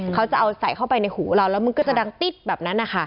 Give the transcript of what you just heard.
เขาจะเอาใส่เข้าไปในหูเราแล้วมันก็จะดังติ๊ดแบบนั้นนะคะ